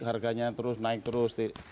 harganya terus naik terus